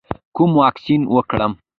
کوم واکسین وکړم؟